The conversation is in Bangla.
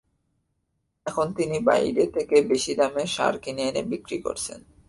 এখন তিনি বাইরে থেকে বেশি দামে সার কিনে এনে বিক্রি করছেন।